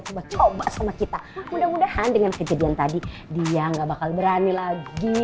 coba coba sama kita mudah mudahan dengan kejadian tadi dia enggak bakal berani lagi